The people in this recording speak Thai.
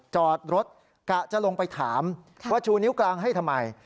จอดรถกะจะลงไปถามว่าชูนิ้วกลางให้ทำไม